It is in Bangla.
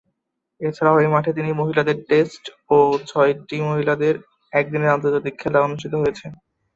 এছাড়াও এ মাঠে তিনটি মহিলাদের টেস্ট ও ছয়টি মহিলাদের একদিনের আন্তর্জাতিক খেলা অনুষ্ঠিত হয়েছে।